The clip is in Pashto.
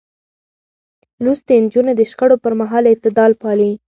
لوستې نجونې د شخړو پر مهال اعتدال پالي.